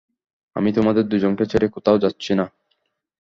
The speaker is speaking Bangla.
আমি তোমাদের দুজনকে ছেড়ে কোত্থাও যাচ্ছি না।